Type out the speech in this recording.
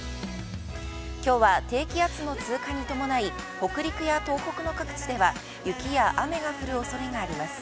きょうは低気圧の通過に伴い、北陸や東北の各地では雪や雨が降るおそれがあります。